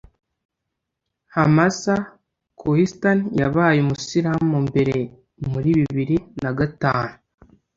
Hammasa Kohistani yabaye umusilamu mbere muri bibiri na gatanu?